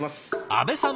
阿部さん